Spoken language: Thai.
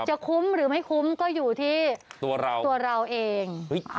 คุ้มหรือไม่คุ้มก็อยู่ที่ตัวเราตัวเราเอง